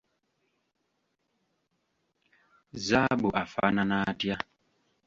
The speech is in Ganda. Zzaabu afaanana atya?